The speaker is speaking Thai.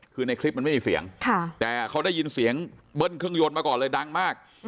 คือในคลิปมันไม่มีเสียงแต่เขาได้ยินเสียงเบิ้ลเครื่องยนต์มาก่อนเลยดังมาก